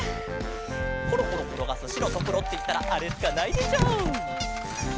コロコロころがすしろとくろっていったらあれしかないでしょう！